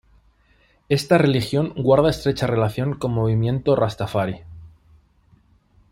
Esta religión guarda estrecha relación con movimiento rastafari.